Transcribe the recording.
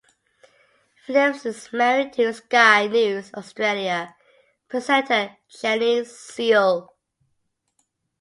Phillips is married to "Sky News Australia" presenter Jaynie Seal.